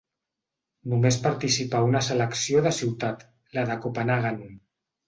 Només participà una selecció de ciutat, la de Copenhaguen.